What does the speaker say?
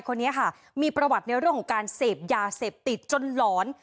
คนนี้ค่ะมีประวัติในเรื่องของการเสพยาเสพติดจนหลอน